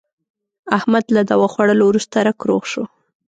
احمد له دوا خوړلو ورسته رک روغ شو.